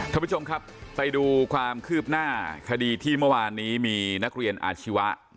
ท่านผู้ชมครับไปดูความคืบหน้าคดีที่เมื่อวานนี้มีนักเรียนอาชีวะ